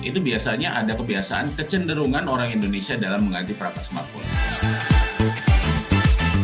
itu biasanya ada kebiasaan kecenderungan orang indonesia dalam mengganti perapa smartphone